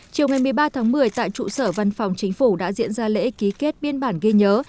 chiều ngày một mươi ba tháng một mươi tại trụ sở văn phòng chính phủ đã diễn ra lễ ký kết biên bản ghi nhớ